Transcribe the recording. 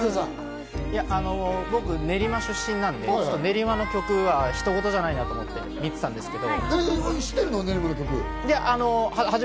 僕、練馬出身なんで、練馬の曲は人ごとじゃないなと思って見てたんですけど。